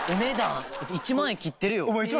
１万円切ってる！